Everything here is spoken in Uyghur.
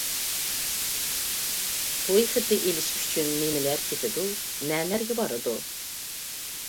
توي خېتى ئېلىش ئۈچۈن نېمىلەر كېتىدۇ؟ نەلەرگە بارىدۇ؟